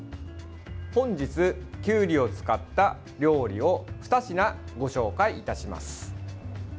本日、きゅうりを使った料理を２品ご紹介いたします。